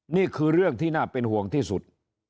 นี่คือเรื่องที่น่าเป็นห่วงที่สุด